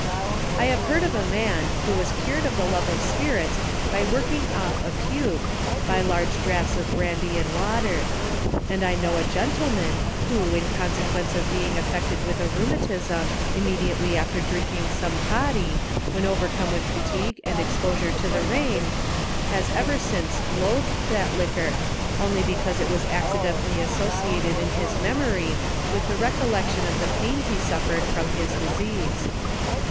I have heard of a man, who was cured of the love of spirits, by working off a puke, by large draughts of bran dy and water, and I know a gentleman, who, in conse quence of being affected with a rheumatism, immediately after drinking some toddy, when overcome with fatigue and exposure to the rain* has ever since loathed that li quor, only because it was accidentally associated in his memory with the recollection of the pain he. suffered from his disease.